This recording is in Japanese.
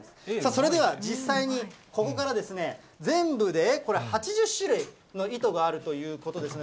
それでは実際にここから全部でこれ、８０種類の糸があるということですね。